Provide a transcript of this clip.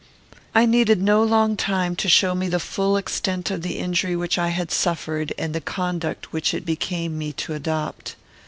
I needed no long time to show me the full extent of the injury which I had suffered and the conduct which it became me to adopt.